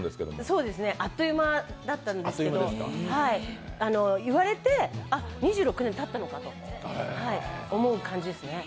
はい、あっという間だったんですけど言われて、あ、２６年たったのかと思う感じですね。